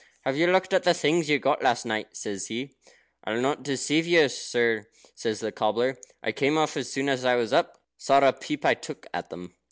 "Have you looked at the things you got last night?" says he. "I'll not deceive you, sir," says the cobbler. "I came off as soon as I was up. Sorra peep I took at them."